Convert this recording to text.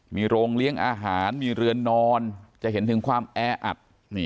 มีโรงเลี้ยงอาหารมีเรือนนอนจะเห็นถึงความแออัด